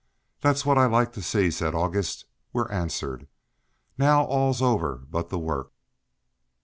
"That's what I like to see," said August. "We're answered. Now all's over but the work."